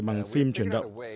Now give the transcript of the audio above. bằng phim chuyển động